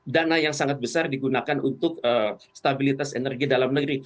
dana yang sangat besar digunakan untuk stabilitas energi dalam negeri